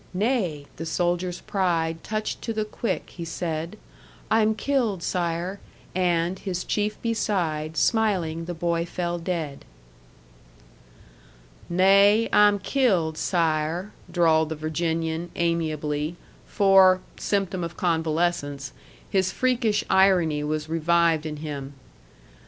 'Nay,' the soldier's pride Touched to the quick, he said, 'I'm killed, sire!' And, his chief beside, Smiling the boy fell dead." "'Nay, I'm killed, sire,'" drawled the Virginian, amiably; for (symptom of convalescence) his freakish irony was revived in him.